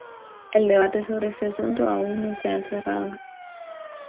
El debate sobre este asunto aún no se ha cerrado.